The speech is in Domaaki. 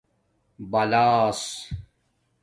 بلاس